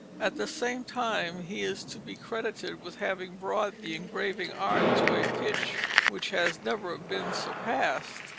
At the same time, he is to be credited with having brought the engraving art to a pitch which has never been surpassed.